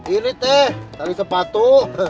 ini teh tali sepatu